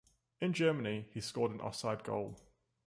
In Germany, he scored an offside goal.